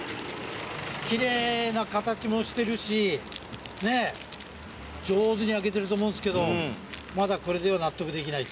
奇麗な形もしてるしねっ上手に焼けてると思うんですけどまだこれでは納得できないと。